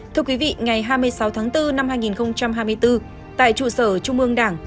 thưa quý vị ngày hai mươi sáu tháng bốn năm hai nghìn hai mươi bốn tại trụ sở trung ương đảng